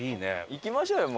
行きましょうよ